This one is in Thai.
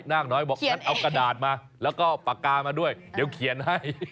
นากน้อยบอกงั้นเอากระดาษมาแล้วก็ปากกามาด้วยเดี๋ยวเขียนให้